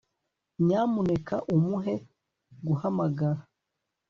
Nyamuneka umuhe guhamagara